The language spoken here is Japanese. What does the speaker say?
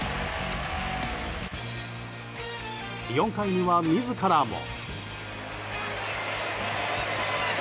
４回には自らも。